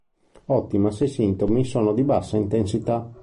Ottima se i sintomi sono di bassa intensità.